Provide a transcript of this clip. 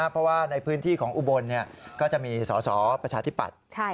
เพราะว่าในพื้นที่ของอุบลก็จะมีสอสอประชาธิปัตย์